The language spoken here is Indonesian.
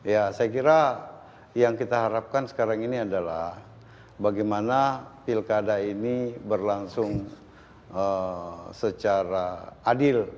ya saya kira yang kita harapkan sekarang ini adalah bagaimana pilkada ini berlangsung secara adil